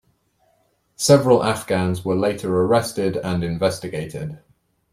Several Afghans were later arrested and investigated.